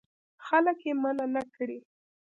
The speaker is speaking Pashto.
خلک منع نه کړې.